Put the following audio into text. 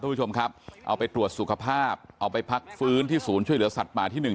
ผู้ชมครับเอาไปตรวจสุขภาพเอาไปพักฟื้นที่ศูนย์ช่วยเหลือสัตว์ป่าที่หนึ่ง